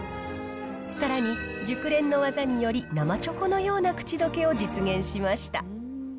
さらに熟練の技により、生チョコのような口どけを実現しました。